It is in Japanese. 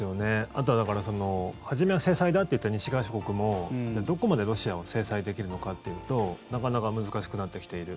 あとは初めは制裁だと言っていた西側諸国もじゃあどこまでロシアを制裁できるのかというとなかなか難しくなってきている。